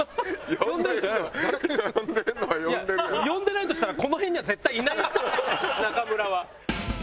呼んでないとしたらこの辺には絶対いないよ中村は。